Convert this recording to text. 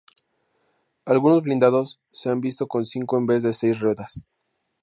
Algunos blindados se han visto con cinco en vez de seis ruedas.